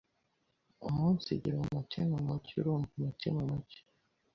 umunsigire umutime muke urumve mutime muke